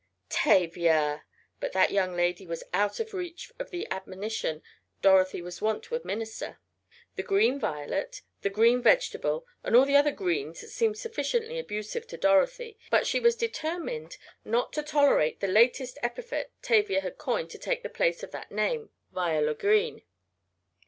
"Tavia!" but that young lady was out of reach of the admonition Dorothy was wont to administer. The Green Violet, the Green Vegetable and all the other Greens seemed sufficiently abusive to Dorothy, but she was determined not to tolerate the latest epithet Tavia had coined to take the place of that name Viola Green.